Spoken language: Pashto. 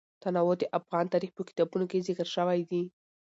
تنوع د افغان تاریخ په کتابونو کې ذکر شوی دي.